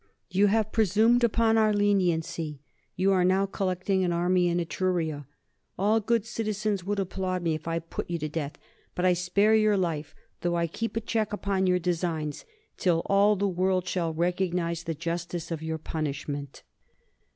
_You have presumed upon our leniency; you are now collecting an army in Etruria. All good citizens would applaud me, if I put you to death; but I spare your life, though I keep a check upon your designs, till all the world shall recognise the justice of your punishment.